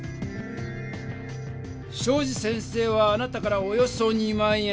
東海林先生はあなたから「およそ２万円。